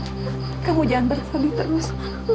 sudah kamu jangan berselisih terus